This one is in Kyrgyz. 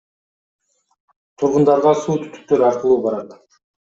Тургундарга суу түтүктөр аркылуу барат.